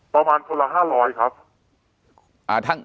ประมาณคนละ๕๐๐ครับ